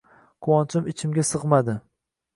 Quvonchim ichimga sig`madi